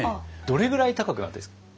どれぐらい高くなったらいいですか？